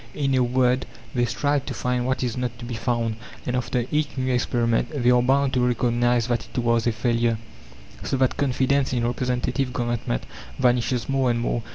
In a word, they strive to find what is not to be found, and after each new experiment they are bound to recognize that it was a failure; so that confidence in Representative Government vanishes more and more.